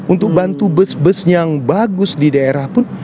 untuk bantu bus bus yang bagus di daerah pun